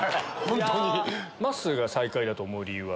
まっすーが最下位だと思う理由は？